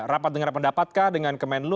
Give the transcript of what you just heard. rapat dengan pendapat kak dengan kemenlu